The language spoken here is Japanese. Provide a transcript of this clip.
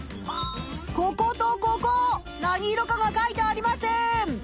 こことここ何色かが書いてありません！